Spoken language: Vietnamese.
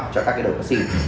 cho các cái đợt vaccine